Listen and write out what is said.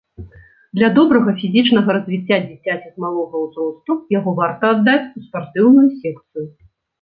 Для добрага фізічнага развіцця дзіцяці з малога ўзросту яго варта аддаць у спартыўную секцыю.